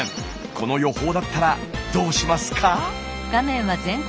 この予報だったらどうしますか？